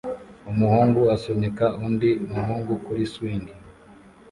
Umuhungu asunika undi muhungu kuri swing